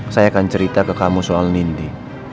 saya akan cerita ke kamu soal nindi